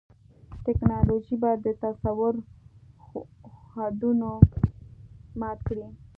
ټیکنالوژي به د تصور حدونه مات کړي.